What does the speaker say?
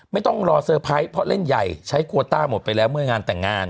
ไม่ต้องรอเซอร์ไพรส์เพราะเล่นใหญ่ใช้โควต้าหมดไปแล้วเมื่องานแต่งงาน